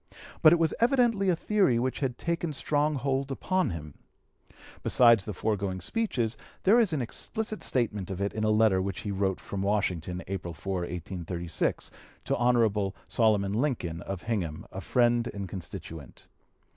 But it was evidently a theory which had taken strong hold upon him. Besides the foregoing speeches there is an explicit statement of it in a letter which he wrote from Washington April 4, 1836, to Hon. Solomon Lincoln, of Hingham, a friend and (p. 265) constituent.